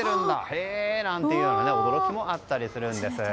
へーなんていう驚きもあったりするんです。